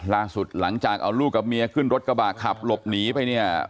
หลังจากเอาลูกกับเมียขึ้นรถกระบะขับหลบหนีไปเนี่ย